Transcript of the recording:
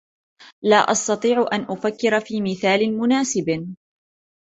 لا أستطيع أن أفكر في مثال مناسب.